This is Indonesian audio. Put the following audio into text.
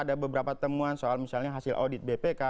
ada beberapa temuan soal misalnya hasil audit bpk